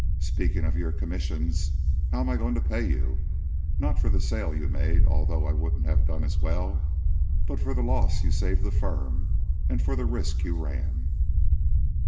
"Speaking of your commissions, how am I going to pay you not for the sale you made, although I wouldn't have done as well, but for the loss you saved the firm and for the risk you ran?"